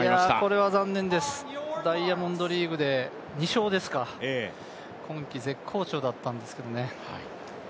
これは残念です、ダイヤモンドリーグで２勝ですか、今季絶好調だったんですけどね。